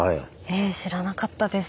ええ知らなかったです。